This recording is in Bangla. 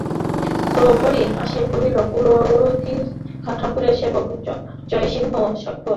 প্রহরী আসিয়া কহিল, পুরোহিত ঠাকুরের সেবক জয়সিংহ সাক্ষাৎ-প্রার্থনায় দ্বারে দাঁড়াইয়া।